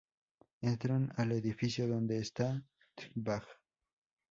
Entran al edificio, donde está T-Bag.